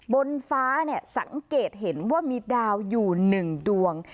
บนฟ้าเนี่ยสังเกตเห็นว่ามีดาวอยู่หนึ่งดวง